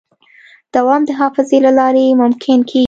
دوام د حافظې له لارې ممکن کېږي.